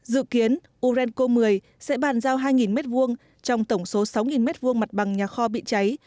dự kiến urenco một mươi sẽ bàn giao hai m hai trong tổng số sáu m hai mặt bằng nhà kho bị cháy